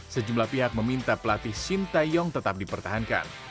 sejumlah pihak meminta pelatih sinta yong tetap dipertahankan